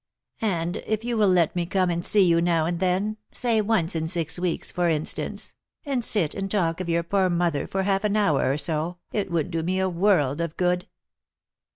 And if you will let me come and see you now and then — say once in six weeks, for instance — and sit and talk of your poor mother for half an hour or so, it would do me a world of good."